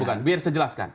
bukan biar saya jelaskan